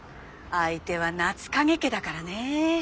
相手は夏影家だからね。